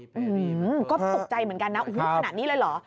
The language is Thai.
อืมก็ตกใจเหมือนกันนะโอ้โหขนาดนี้เลยเหรอ